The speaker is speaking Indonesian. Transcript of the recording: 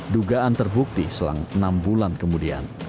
dugaan terbukti selang enam bulan kemudian